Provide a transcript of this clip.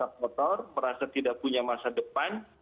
dan melakukan tindakan yang tidak terhadap masa depan